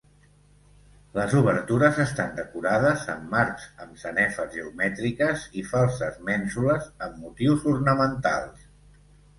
Les obertures estan decorades amb marcs amb sanefes geomètriques i falses mènsules amb motius ornamentals.